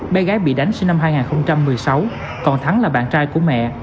bé gái bị đánh sinh năm hai nghìn một mươi sáu còn thắng là bạn trai của mẹ